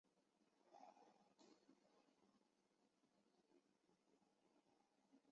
后来该原型测试的成功使印度得以进行量产化反应堆以用在歼敌者号的身上。